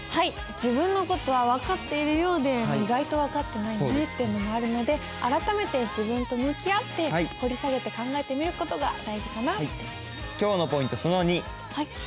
自分のことは分かっているようで意外と分かってないよねってのもあるので改めて自分と向き合って掘り下げて考えてみることが大事かな。